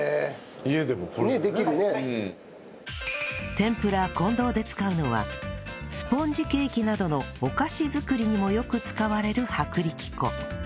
てんぷら近藤で使うのはスポンジケーキなどのお菓子作りにもよく使われる薄力粉